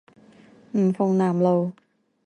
吳鳳南路